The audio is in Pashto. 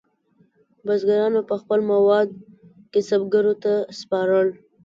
بزګرانو به خپل مواد کسبګرو ته سپارل.